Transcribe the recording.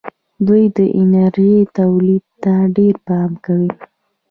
دوی د انرژۍ تولید ته ډېر پام کوي.